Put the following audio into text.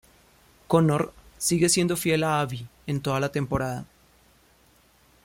Connor sigue siendo fiel a Abby en toda la temporada.